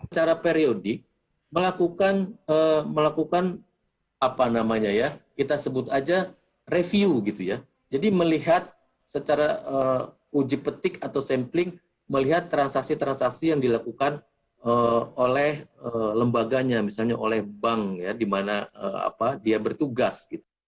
secara periodik melakukan review jadi melihat secara uji petik atau sampling melihat transaksi transaksi yang dilakukan oleh lembaganya misalnya oleh bank di mana dia bertugas